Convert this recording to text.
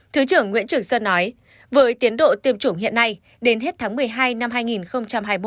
thứ trưởng nguyễn trường sơn nói với tiến độ tiêm chủng hiện nay đến hết tháng một mươi hai năm hai nghìn hai mươi một